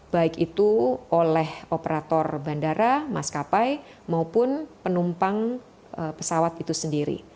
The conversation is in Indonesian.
baik itu oleh operator bandara maskapai maupun penumpang pesawat itu sendiri